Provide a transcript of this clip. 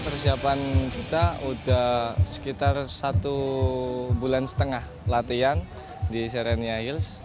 persiapan kita sudah sekitar satu bulan setengah latihan di serenia hills